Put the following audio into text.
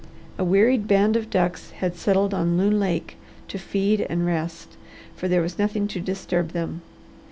A wearied band of ducks had settled on Loon Lake to feed and rest, for there was nothing to disturb them.